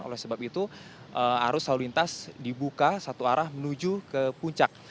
oleh sebab itu arus lalu lintas dibuka satu arah menuju ke puncak